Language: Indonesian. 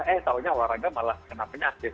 eh taunya olahraga malah kenapanya aktif